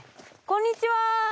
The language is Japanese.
こんにちは！